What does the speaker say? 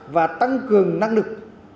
và tăng cường năng lực